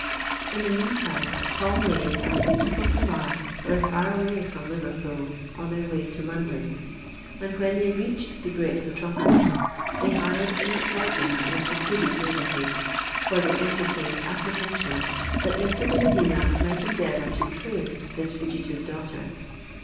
_" In the meantime Tom Rain and the beautiful Tamar were far away from Liverpool, on their road to London; and when they reached the great metropolis, they hired a neat lodging in a secluded neighbourhood—for they entertained apprehensions that Mr. de Medina might endeavour to trace his fugitive daughter.